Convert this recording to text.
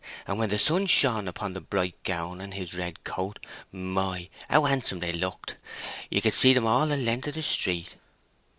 And when the sun shone upon the bright gown and his red coat—my! how handsome they looked. You could see 'em all the length of the street."